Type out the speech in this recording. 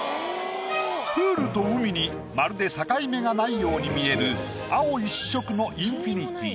プールと海にまるで境目がない様に見える青一色のインフィニティ